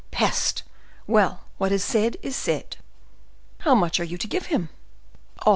Peste! Well! what is said is said." "How much are you to give him?" "Oh!"